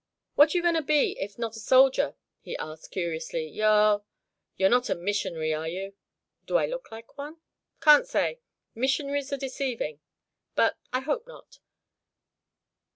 "What are you going to be, if not a soldier?" he asked, curiously. "You're you're not a missionary, are you?" "Do I look like one?" "Can't say missionaries are deceiving; but I hope not.